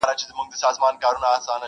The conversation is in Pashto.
دا ټولنه به نو څنکه اصلاح کيږي,